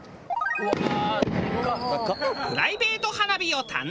うわー！